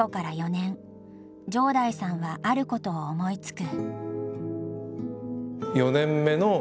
城台さんはあることを思いつく。